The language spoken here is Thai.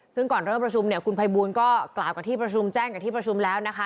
ซึ่งก่อนเริ่มประชุมเนี่ยคุณภัยบูลก็กล่าวกับที่ประชุมแจ้งกับที่ประชุมแล้วนะคะ